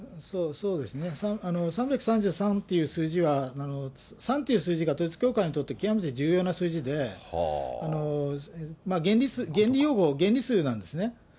そうですね、３３３っていう数字は、３という数字が統一教会にとって極めて重要な数字で、原理用語、原理数なんですね。